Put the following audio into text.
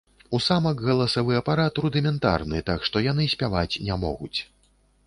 У самак галасавы апарат рудыментарны, так што яны спяваць не могуць.